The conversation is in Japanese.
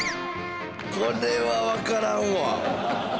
これはわからんわ。